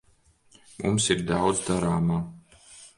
Mums ir daudz darāmā.